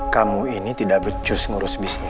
kamu ini tidak becus ngurus bisnis